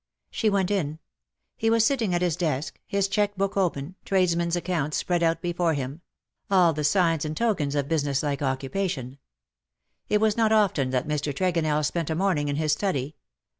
She went in, He was sitting at his desk — his che(jue book opeii, tradesmen's accounts spread out STILL COME NEW WOES." 9 before him — all the signs and tokens of business like occupation. It was not often that Mr. Tregonell spent a morning in his study.